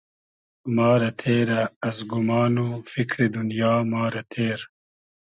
ما رۂ تېرۂ از گومان و فیکری دونیا ما رۂ تېر